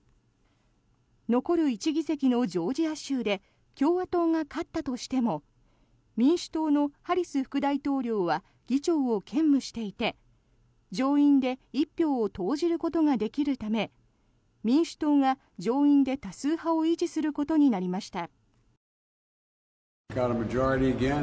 残る１議席のジョージア州で共和党が勝ったとしても民主党のハリス副大統領は議長を兼務していて上院で１票を投じることができるため民主党が上院で多数派を維持することになりました。